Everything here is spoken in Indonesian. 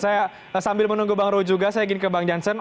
saya sambil menunggu bang roy juga saya ingin ke bang jansen